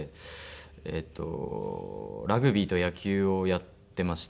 えーっとラグビーと野球をやってました。